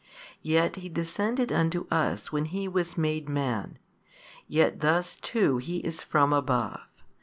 Yet He descended unto us when He was made Man; yet thus too is He from above.